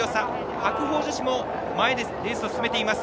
白鵬女子も前でレースを進めています。